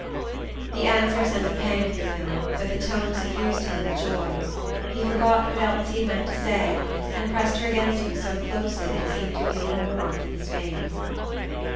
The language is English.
The answer sent a pang through him but the tone suffused him with joy. He forgot what else he had meant to say and pressed her against him so closely that he seemed to feel her warmth in his veins.